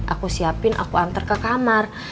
aku siapin aku antar ke kamar